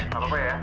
nggak apa apa ya